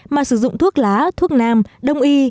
mà sử dụng thuốc lá thuốc nam đông y